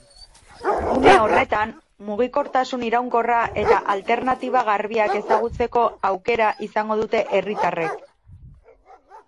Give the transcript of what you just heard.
Gune horretan, mugikortasun iraunkorra eta alternatiba garbiek ezagutzeko aukera izango dute herritarrek.